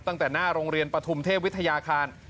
ตั้งแต่หน้าโรงเรียนปฐุมเทพวิทยาคาร